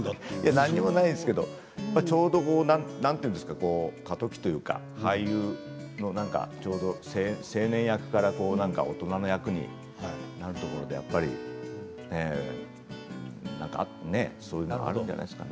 何もないですけれどちょうど過渡期というか俳優の青年役から大人の役になるところでやっぱりねそういうのがあるんじゃないですかね。